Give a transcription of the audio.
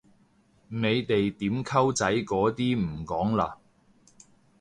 你哋點溝仔嗰啲唔講嘞？